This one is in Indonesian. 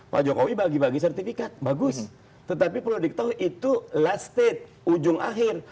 pak jokowi bagi bagi sertifikat bagus tetapi perlu diketahui itu last state ujung akhir